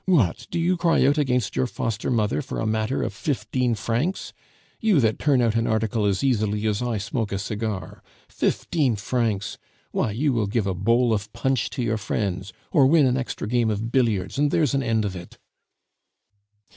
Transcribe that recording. "What! do you cry out against your foster mother for a matter of fifteen francs? you that turn out an article as easily as I smoke a cigar. Fifteen francs! why, you will give a bowl of punch to your friends, or win an extra game of billiards, and there's an end of it!"